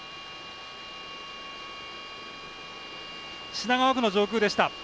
品川区の上空でした。